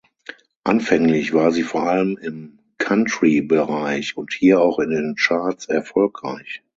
Anfänglich war sie vor allem im Country-Bereich und hier auch in den Charts erfolgreich.